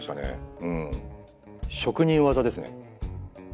うん職人技ですね。